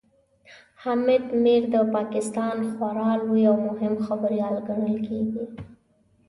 حامد میر د پاکستان خورا لوی او مهم خبريال ګڼل کېږي